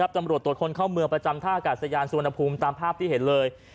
ตำรวจตรวจคนเข้าเมืองประจำท่ากาศยานสุวรรณภูมิตามภาพที่เห็นเลย